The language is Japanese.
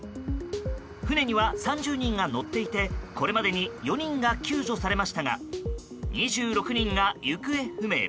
船には３０人が乗っていてこれまでに４人が救助されましたが２６人が行方不明。